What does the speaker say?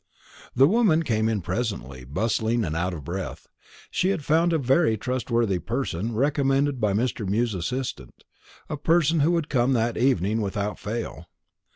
The woman came in presently, bustling and out of breath. She had found a very trustworthy person, recommended by Mr. Mew's assistant a person who would come that evening without fail.